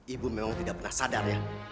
ibu memang tidak pernah sadar ya